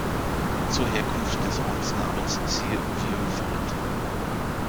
Zur Herkunft des Ortsnamens siehe Vieux-Ferrette.